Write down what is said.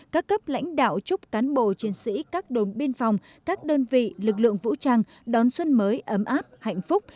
các cấp lãnh đạo chúc cán bộ chiến sĩ các đồn biên phòng các đơn vị lực lượng vũ trang đón xuân mới ấm áp hạnh phúc